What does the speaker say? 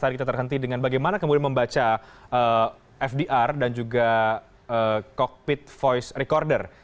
tadi kita terhenti dengan bagaimana kemudian membaca fdr dan juga cockpit voice recorder